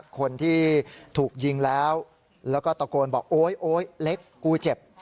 คนที่ถูกยิงแล้วแล้วก็ตะโกนบอกโอ๊ยโอ๊ยเล็กกูเจ็บ